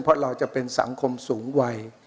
เพราะเราจะเป็นสังคมสูงวัย